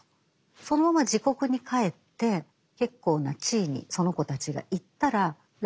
そのまま自国に帰って結構な地位にその子たちがいったら楽なんですね。